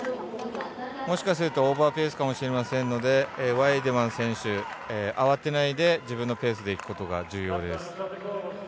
もしかするとオーバーペースかもしれないのでワイデマン選手慌てないで自分のペースで行くことが重要です。